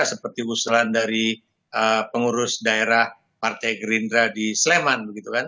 seperti usulan dari pengurus daerah partai gerindra di sleman